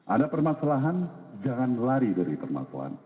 ada permasalahan jangan lari dari permakuan